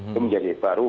itu menjadi baru